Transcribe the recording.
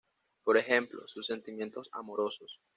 Por ejemplo, sus sentimientos amorosos.